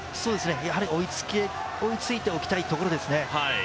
やはり追いついておきたいところですね。